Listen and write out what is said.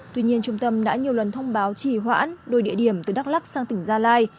tuy nhiên trung tâm đã nhiều lần thông báo trì hoãn đôi địa điểm từ đắk lắc sang tỉnh gia lai